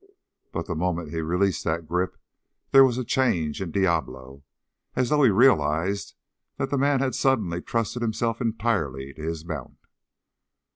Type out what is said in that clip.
But the moment he released that grip there was a change in Diablo, as though he realized that the man had suddenly trusted himself entirely to his mount.